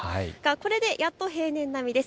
これでやっと平年並みです。